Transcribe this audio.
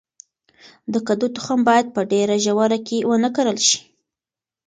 د کدو تخم باید په ډیره ژوره کې ونه کرل شي.